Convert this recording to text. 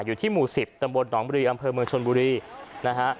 อยู่ที่หมู่๑๐ตำบลหนองบุรีอำเภอเมืองชนบุรีนะฮะ